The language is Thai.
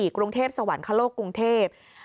กรุงเทพสวรรคโลกกรุงเทพ